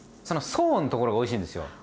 その層のところがおいしいんですよ。